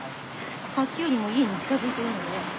さっきよりも家に近づいているので。